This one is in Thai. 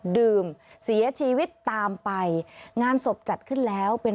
ดื่มเสียชีวิตตามไปงานศพจัดขึ้นแล้วเป็น